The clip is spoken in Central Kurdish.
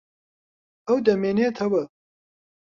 ئەو دەمێنێتەوە.